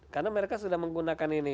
karena mereka sudah menggunakan ini